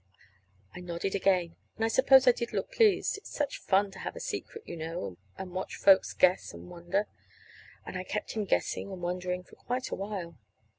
I nodded again, and I suppose I did look pleased: it's such fun to have a secret, you know, and watch folks guess and wonder. And I kept him guessing and wondering for quite a while.